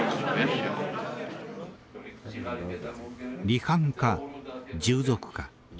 離反か従属か。